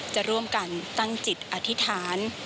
จะร่วมกันตั้งจิตอธิษฐาน